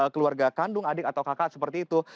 keluarga kandung adik atau kakak seperti itu